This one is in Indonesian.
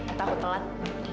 atau aku telat